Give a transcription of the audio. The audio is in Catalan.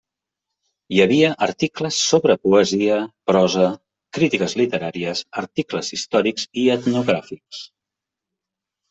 Hi havia articles sobre poesia, prosa, crítiques literàries, articles històrics i etnogràfics.